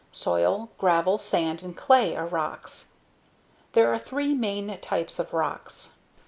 Soil, gravel, sand and clay are rocks. THERE ARE THREE MAIN TYPES OF ROCKS.